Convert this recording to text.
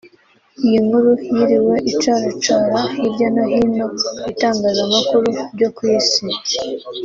Iyi nkuru yiriwe icaracara hirya no hino mu bitangazamakuru byo ku isi